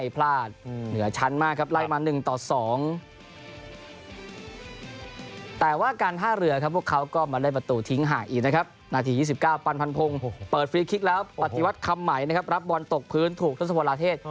พันภงเปิดฟีลคิคน้องแบบผัดติวันกล้าตกพื้นถูกทศพลาเทศ